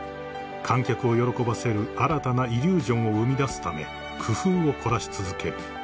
［観客を喜ばせる新たなイリュージョンを生み出すため工夫を凝らし続ける］